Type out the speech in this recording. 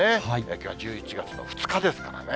きょうは１１月の２日ですからね。